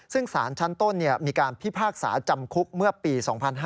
ซึ่งสารชั้นต้นมีการพิพากษาจำคุกเมื่อปี๒๕๕๙